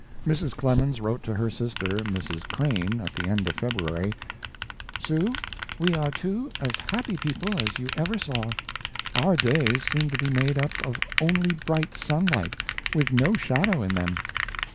Mrs. Clemens wrote to her sister, Mrs. Crane, at the end of February: "Sue, we are two as happy people as you ever saw. Our days seem to be made up of only bright sunlight, with no shadow in them."